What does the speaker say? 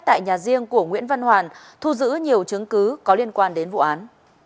tại nhà riêng của nguyễn văn hoàn thu giữ nhiều chứng cứ có liên quan đến vụ án